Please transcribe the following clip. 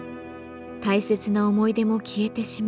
大切な思い出も消えてしまう。